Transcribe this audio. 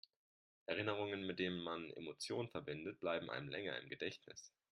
Erinnerungen, mit denen man Emotionen verbindet, bleiben einem länger im Gedächtnis.